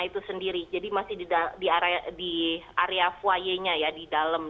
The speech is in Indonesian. jadi masih di area foyernya ya di dalam